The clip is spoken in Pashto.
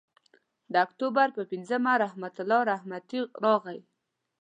د اکتوبر پر پینځمه رحمت الله رحمتي راغی.